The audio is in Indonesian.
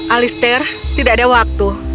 alistair tidak ada waktu